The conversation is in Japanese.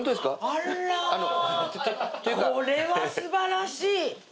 あらこれは素晴らしい。